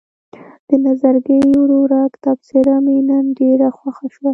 د نظرګي ورورک تبصره مې نن ډېره خوښه شوه.